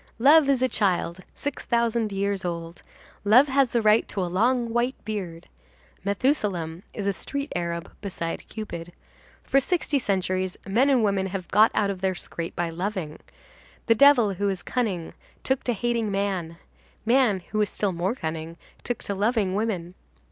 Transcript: Love is a child six thousand years old. Love has the right to a long white beard. Methusalem is a street arab beside Cupid. For sixty centuries men and women have got out of their scrape by loving. The devil, who is cunning, took to hating man; man, who is still more cunning, took to loving woman.